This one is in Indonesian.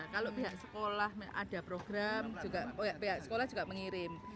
kalau pihak sekolah ada program pihak sekolah juga mengirim